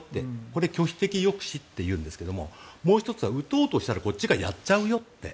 これ、拒否的抑止というんですがもう１つは撃とうとしたらこっちがやっちゃうよと。